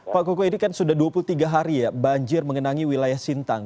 pak koko ini kan sudah dua puluh tiga hari ya banjir mengenangi wilayah sintang